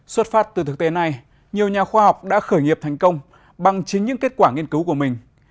xuất phát từ thực tế này nhiều nhà khoa học đã khởi nghiệp thành công bằng chính những kết quả nghiên cứu của mình